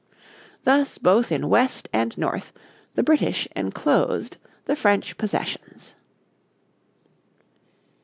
Thus both in west and north the British enclosed the French possessions.